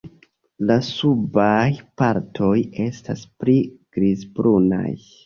La subaj partoj estas pli grizbrunaj.